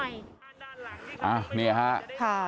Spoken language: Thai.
แต่ว่าพี่ชะล้อให้ก่อนชะล้อหน่อย